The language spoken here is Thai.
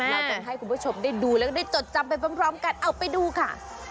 เราจะให้คุณผู้ชมได้ดูแล้วก็ได้จดจำไปพร้อมกันเอาไปดูค่ะ